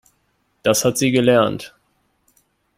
Das hat sie gelernt.